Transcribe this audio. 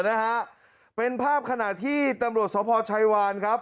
นะฮะเป็นภาพขณะที่ตำรวจสพชัยวานครับ